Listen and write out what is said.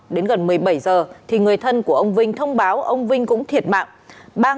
đến gần một mươi bảy giờ thì người thân của ông vinh thông báo ông vinh cũng thiệt mạng